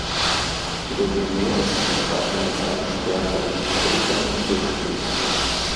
Idomeneus traf ihn mit seinem Speer an der rechten Schulter und tötete ihn so.